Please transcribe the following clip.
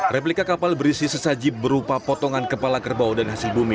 replika kapal berisi sesaji berupa potongan kepala kerbau dan hasil bumi